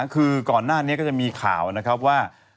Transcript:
คือก่อนหน้านี้ก็จะมีข่าวนะครับว่า